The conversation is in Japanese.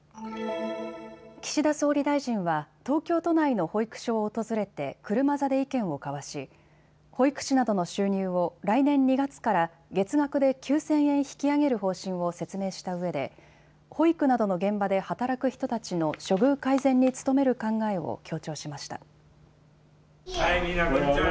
岸田総理大臣は東京都内の保育所を訪れて車座で意見を交わし保育士などの収入を来年２月から月額で９０００円引き上げる方針を説明したうえで保育などの現場で働く人たちの処遇改善に努める考えを強調しました。